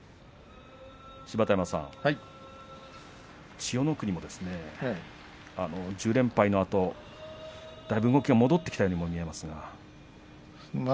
芝田山さん、千代の国も１０連敗のあとだいぶ動きが戻ってきたように見えますが。